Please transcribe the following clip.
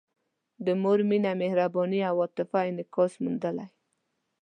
د مور مینه، مهرباني او عاطفه انعکاس موندلی.